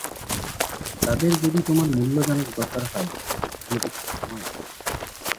তাদের যদি তোমার মূল্য জানার দরকার হয় তাহলে কিছুটা সময় দরকার।